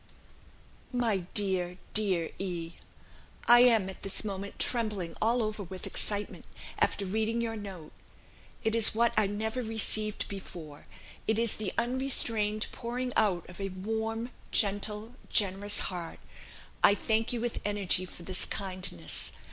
"My dear dear E., "I am at this moment trembling all over with excitement, after reading your note; it is what I never received before it is the unrestrained pouring out of a warm, gentle, generous heart ... I thank you with energy for this kindness.